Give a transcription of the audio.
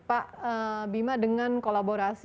pak bima dengan kolaborasi